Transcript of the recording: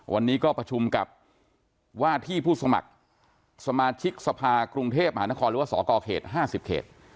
วันนี้ก็ประชุมกับว่าที่ผู้สมัครสมาชิกสภากรุงเทพมหานครหรือว่าสกเขต๕๐เขต